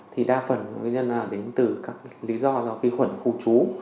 thì đa phần nguyên nhân là đến từ các lý do do vi khuẩn khu trú